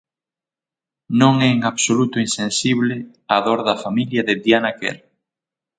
Non é en absoluto insensible á dor da familia de Diana Quer.